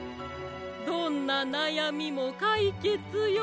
どんななやみもかいけつよ。